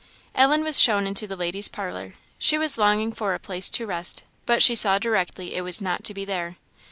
Ellen was shown into the ladies' parlour. She was longing for a place to rest, but she saw directly it was not to be there.